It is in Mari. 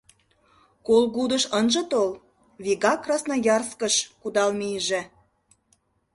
Колгудыш ынже тол, вигак Красноярскыш кудал мийыже.